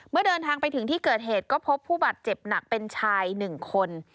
เดินทางไปถึงที่เกิดเหตุก็พบผู้บาดเจ็บหนักเป็นชาย๑คน